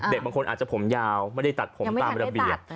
บางคนอาจจะผมยาวไม่ได้ตัดผมตามระเบียบ